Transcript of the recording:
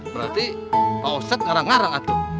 berarti pak ustadz ngarang ngarang